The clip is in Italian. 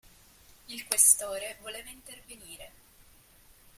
Il Questore voleva intervenire.